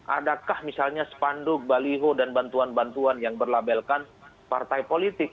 adakah misalnya spanduk baliho dan bantuan bantuan yang berlabelkan partai politik